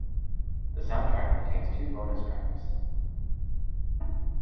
The soundtrack contains two bonus tracks.